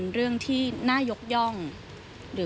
สวัสดีครับ